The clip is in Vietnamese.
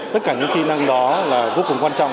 tất cả những kỹ năng đó là vô cùng quan trọng